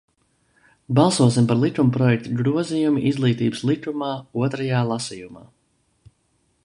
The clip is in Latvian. "Balsosim par likumprojektu "Grozījumi Izglītības likumā" otrajā lasījumā!"